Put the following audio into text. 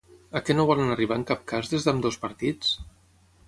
A què no volen arribar en cap cas des d'ambdós partits?